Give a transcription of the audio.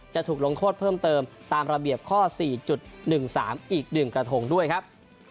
จะถูกลงโทษเพิ่มเติมตามระเบียบข้อ๔๑๓อีก๑กระทงด้วยครับ